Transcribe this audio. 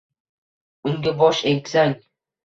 Unga bosh egsang